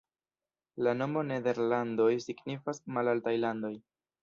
La nomo "Nederlandoj" signifas "malaltaj landoj".